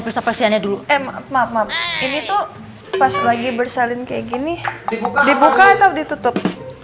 paksiannya dulu emang ini tuh pas lagi bersalin kayak gini dibuka atau ditutup